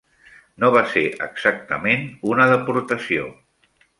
No va ser exactament una deportació.